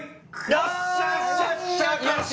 よっしゃ！